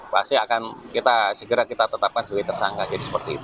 pasti akan kita tetapkan sebagai tersangka